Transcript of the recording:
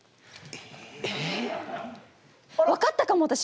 分かったかも私。